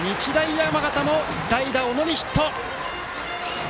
山形も代打・小野にヒット。